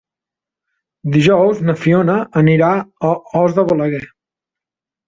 Dijous na Fiona anirà a Os de Balaguer.